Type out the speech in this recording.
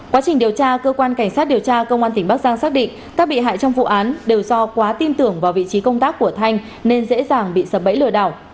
quá trình điều tra cơ quan cảnh sát điều tra công an tỉnh bắc giang xác định các bị hại trong vụ án đều do quá tin tưởng vào vị trí công tác của thanh nên dễ dàng bị sập bẫy lừa đảo